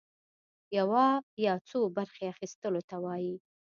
يوه يا څو برخي اخيستلو ته وايي.